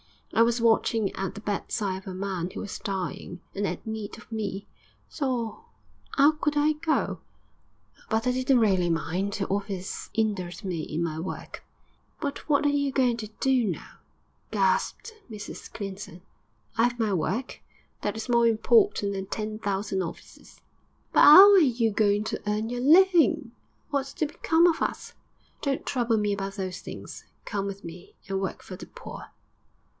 I was watching at the bedside of a man who was dying and 'ad need of me; so 'ow could I go? But I didn't really mind; the office 'indered me in my work.' 'But what are you going to do now?' gasped Mrs Clinton. 'I 'ave my work; that is more important than ten thousand offices.' 'But 'ow are you going to earn your living? What's to become of us?' 'Don't trouble me about those things. Come with me, and work for the poor.'